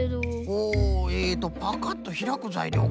ほうえっとパカッとひらくざいりょうか。